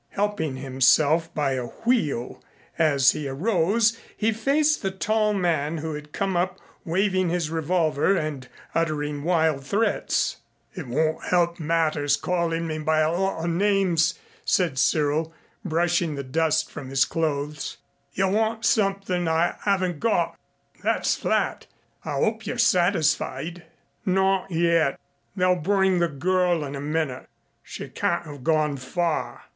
Helping himself by a wheel as he arose he faced the tall man who had come up waving his revolver and uttering wild threats. "It won't help matters calling me a lot of names," said Cyril, brushing the dust from his clothes. "You want something I haven't got that's flat. I hope you're satisfied." "Not yet. They'll bring the girl in a minute. She can't have gone far."